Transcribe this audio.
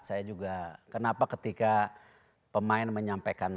saya juga kenapa ketika pemain menyampaikan